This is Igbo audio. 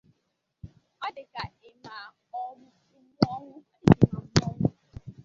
Ọ dị ka ịma mmụọnwụ